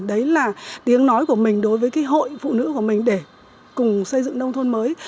đấy là tiếng nói của mình đối với cái hội phụ nữ của mình để cùng xây dựng nông thôn mới